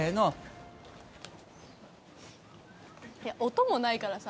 音もないからさ。